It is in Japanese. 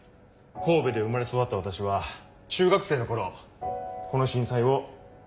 神戸で生まれ育った私は中学生の頃この震災を経験しました。